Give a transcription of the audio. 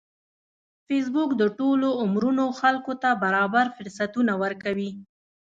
فېسبوک د ټولو عمرونو خلکو ته برابر فرصتونه ورکوي